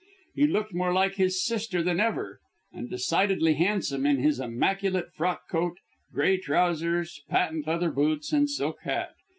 He looked more like his sister than ever, and decidedly handsome in his immaculate frock coat, grey trousers, patent leather boots, and silk hat.